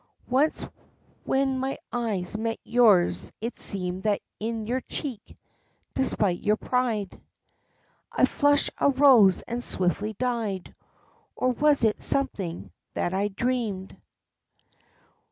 Once when my eyes met yours it seemed that in your cheek, despite your pride, A flush arose and swiftly died; or was it something that I dreamed?